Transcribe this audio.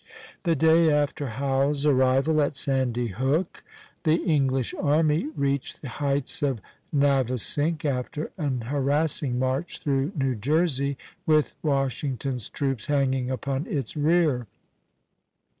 The day after Howe's arrival at Sandy Hook the English army reached the heights of Navesink, after an harassing march through New Jersey, with Washington's troops hanging upon its rear.